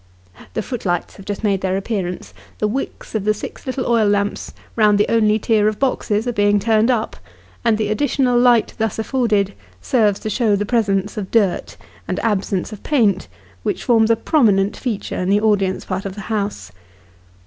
The foot lights have just made their appearance : the wicks of the six little oil lamps round the only tier of boxes, are being turned up, and the additional light thus afforded serves to show the presence of dirt, and absence of paint, which form a prominent feature in the audience part of the house.